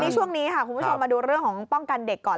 ช่วงนี้ค่ะคุณผู้ชมมาดูเรื่องของป้องกันเด็กก่อน